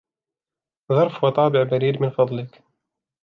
ظرف و طابع بريد من فضلك.